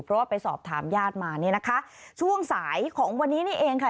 เพราะว่าไปสอบถามญาติมาเนี่ยนะคะช่วงสายของวันนี้นี่เองค่ะ